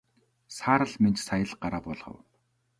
Саарал Минж сая л гараа буулгав.